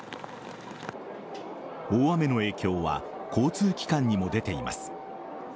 大雨の影響は交通機関にも出ています。